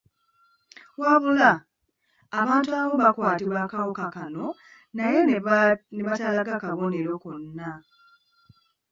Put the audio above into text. Wabula, abantu abamu bakwatibwa akawuka kano naye ne batalaga kabonero konna.